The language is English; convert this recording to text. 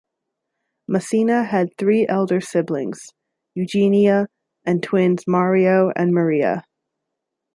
Masina had three elder siblings: Eugenia, and twins Mario and Maria.